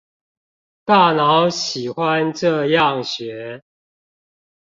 大腦喜歡這樣學